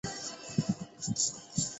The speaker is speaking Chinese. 是哭泣的寂寞的灵魂